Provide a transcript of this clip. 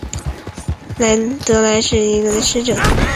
莱雷是德国下萨克森州的一个市镇。